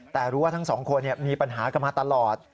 แต่รู้ว่าทั้งสองคนมีปัญหากันมาตลอด